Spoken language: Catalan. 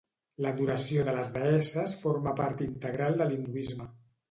L'adoració de les deesses forma part integral de l'hinduisme.